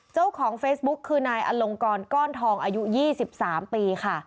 เจ้าของเฟซบุ๊กคือนายอลงกรก้อนทองอายุ๒๓ปีค่ะ